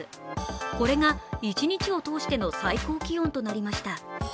これが一日を通しての最高気温となりました。